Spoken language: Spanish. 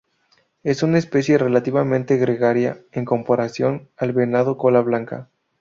Es una especie relativamente gregaria en comparación al venado cola blanca.